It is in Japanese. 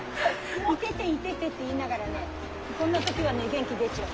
イテテイテテって言いながらねこんな時はね元気出ちゃう。